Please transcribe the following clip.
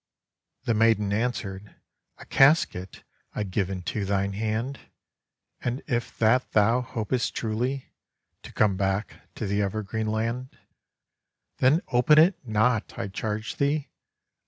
289 JAPAN The maiden answered, *'A casket I give into thine hand; And if that thou hopest truly To come back to the Evergreen Land, "Then open it not, I charge thee!